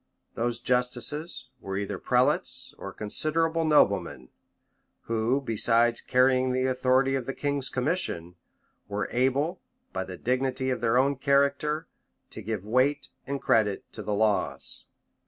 [*] Those justices were either prelates or considerable noblemen; who, besides carrying the authority of the king's commission, were able, by the dignity of their own character, to give weight and credit to the laws.